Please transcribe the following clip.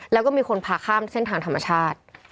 แล้วก็มีคนพาข้ามเส้นทางธรรมชาติ